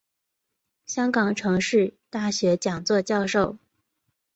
香港城市大学讲座教授。